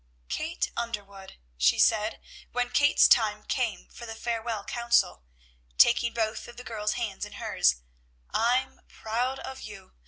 "Kate Underwood," she said, when Kate's time came for the farewell counsel, taking both of the girl's hands in hers, "I'm proud of you.